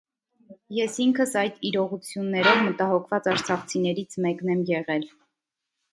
Ես ինքս այդ իրողություններով մտահոգված արցախցիներից մեկն եմ եղել: